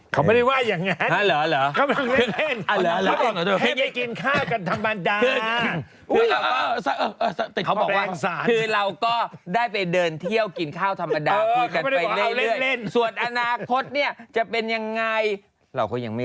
เขาไม่ได้ว่าอย่างนั้นเหรอ